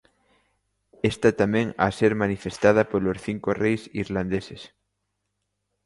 Esta tamén ha ser manifestada polos cinco reis irlandeses.